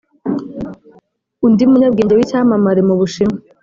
undi munyabwenge w’icyamamare mu bushinwa